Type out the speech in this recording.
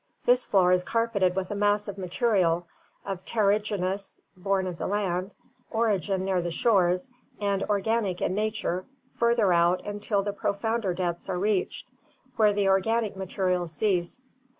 This floor is carpeted with a mass of material, of terrigenous (born of the land) origin near the shores, and organic in nature further out until the profounder depths are reached, where the organic materials cease.